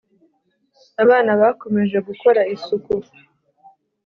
abana bakomeje gukora isuku